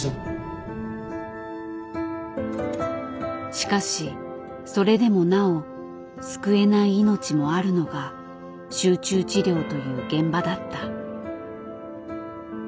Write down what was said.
しかしそれでもなお救えない命もあるのが集中治療という現場だった。